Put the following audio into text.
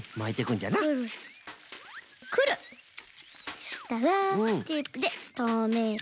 そしたらテープでとめて。